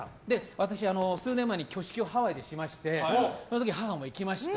私、数年前に挙式をハワイでしましてその時、母も行きました。